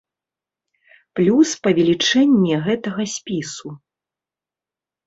Плюс павелічэнне гэтага спісу.